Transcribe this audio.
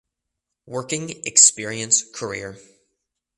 Working experience Career